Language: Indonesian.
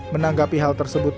menanggapi hal tersebut